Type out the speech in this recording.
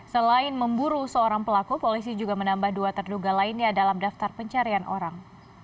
selain memburu seorang pelaku polisi juga menambah dua terduga lainnya dalam daftar pencarian orang